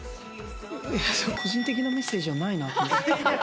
個人的なメッセージはないなと思って。